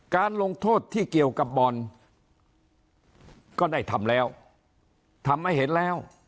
ลงโทษที่เกี่ยวกับบอลก็ได้ทำแล้วทำให้เห็นแล้ว